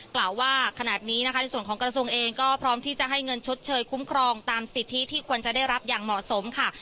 กล่าวว่าขณะนี้นะคะในส่วนของกระทรวงเองก็พร้อมที่จะให้เงินชดเชยคุ้มครองตามสิทธิที่ควรจะได้รับอย่างเหมาะสมค่ะ